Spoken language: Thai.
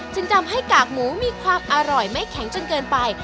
จึงทำให้กากหมูมีความอร่อยไม่แข็งจนเกินไป